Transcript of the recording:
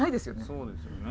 そうですよね。